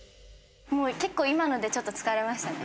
結構今のでちょっと疲れましたね。